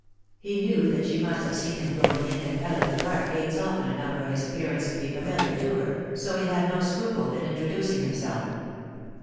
He knew that she must have seen him going in and out of the park gates often enough for his appearance to be familiar to her, so he had no scruple in introducing himself.